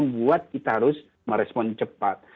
buat kita harus merespon cepat